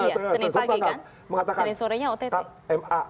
senin pagi ya